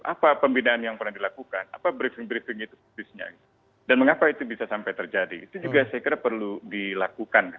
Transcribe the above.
apa pembinaan yang pernah dilakukan apa briefing briefing itu khususnya dan mengapa itu bisa sampai terjadi itu juga saya kira perlu dilakukan